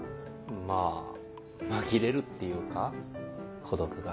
まぁ紛れるっていうか孤独が。